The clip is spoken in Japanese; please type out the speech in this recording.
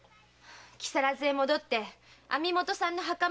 木更津へ戻って網元さんの墓参りをするの。